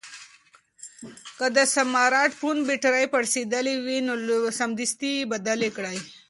که د سمارټ فون بېټرۍ پړسېدلې وي نو سمدستي یې بدل کړئ.